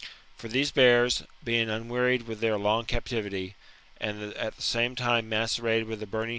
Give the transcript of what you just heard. For these bears, being wearied with their long captivity, and at the same time macerated with the burning heat 5 i.